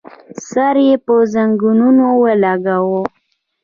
سر يې پر زنګنو ولګاوه.